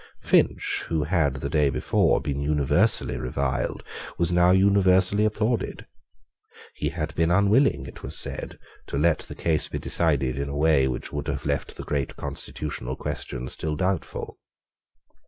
Finch, who had the day before been universally reviled, was now universally applauded. He had been unwilling, it was said, to let the case be decided in a way which would have left the great constitutional question still doubtful.